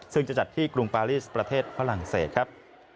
ซึ่งจะจัดที่กรุงปารีสประเทศฝรั่งเศสครับ